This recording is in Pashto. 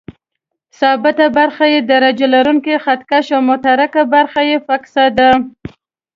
ثابته برخه یې درجه لرونکی خط کش او متحرکه برخه یې فکسه ده.